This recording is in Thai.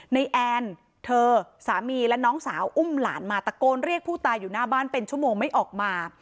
แอนเธอสามีและน้องสาวอุ้มหลานมาตะโกนเรียกผู้ตายอยู่หน้าบ้านเป็นชั่วโมงไม่ออกมา